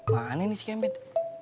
mana ini si kempit